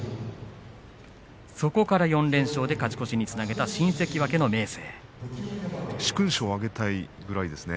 そこから４連勝で勝ち越しにつなげた新関脇の明生。